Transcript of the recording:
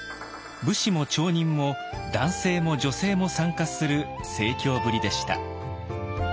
武士も町人も男性も女性も参加する盛況ぶりでした。